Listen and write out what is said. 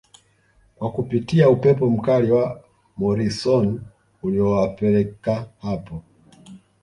kwa kupitia upepo mkali wa Morisoon uliowapeleka hapo